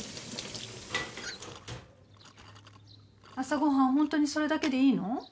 朝ご飯ホントにそれだけでいいの？